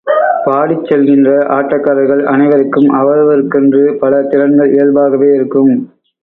பாடிச் செல்கின்ற ஆட்டக்காரர்கள் அனைவருக்கும் அவரவருக்கென்று பல திறன்கள் இயல்பாகவே இருக்கும்.